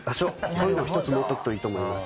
そういうの一つ持っとくといいと思います。